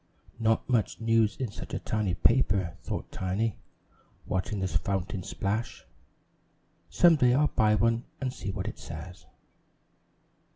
"Not much news in such a tiny paper!" thought Tiny, watching the fountain splash. "Some day I'll buy one to see what it says."